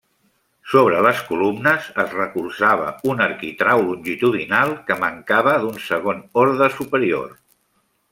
Sobre les columnes es recolzava un arquitrau longitudinal que mancava d'un segon orde superior.